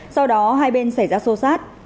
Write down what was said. sau đó hai bên xảy ra sô sát